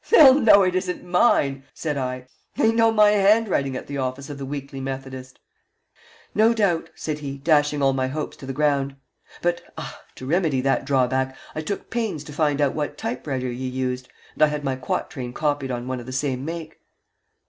"They'll know it isn't mine," said I. "They know my handwriting at the office of the Weekly Methodist." "No doubt," said he, dashing all my hopes to the ground. "But ah to remedy that drawback I took pains to find out what type writer you used, and I had my quatrain copied on one of the same make."